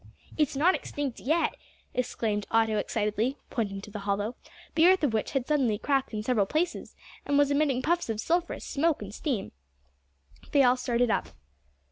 "It's not extinct yet," exclaimed Otto excitedly, pointing to the hollow, the earth of which had suddenly cracked in several places and was emitting puffs of sulphurous smoke and steam. They all started up.